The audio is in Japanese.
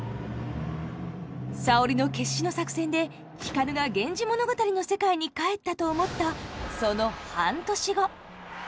沙織の決死の作戦で光が「源氏物語」の世界に帰ったと思ったその半年後。